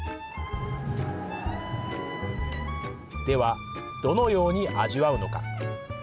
ではどのように味わうのか。